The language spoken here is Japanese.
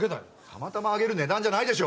たまたまあげる値段じゃないでしょ